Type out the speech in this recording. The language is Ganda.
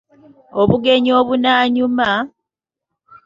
Obugenyi obunaanyuma, ……………..